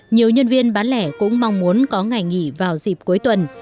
nhiều nhân viên bán lẻ cũng mong muốn có ngày nghỉ vào dịp cuối tuần